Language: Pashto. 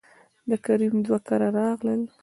دکريم دو کره راغلل،